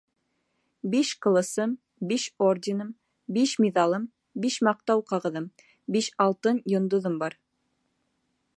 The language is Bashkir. Биш ҡылысым, биш орденым, биш миҙалым, биш маҡтау ҡағыҙым, биш алтын йондоҙом бар!